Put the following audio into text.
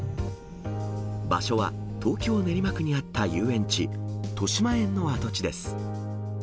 場所は東京・練馬区にあった遊園地、としまえんの跡地です。